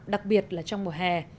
đặc biệt là trong mùa hè